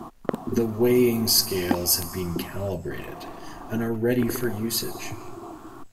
The weighing scales have been calibrated and are ready for usage.